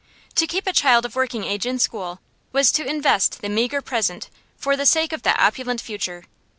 To keep a child of working age in school was to invest the meagre present for the sake of the opulent future.